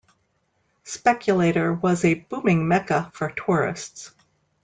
Speculator was a "booming Mecca" for tourists.